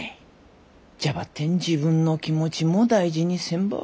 じゃばってん自分の気持ちも大事にせんば。